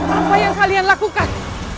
apa yang kalian lakukan